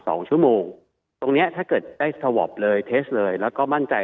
สองชั่วโมงตรงเนี้ยถ้าเกิดได้สวอปเลยเทสเลยแล้วก็มั่นใจ